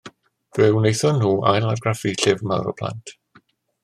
Fe wnaethon nhw ailargraffu Llyfr Mawr y Plant.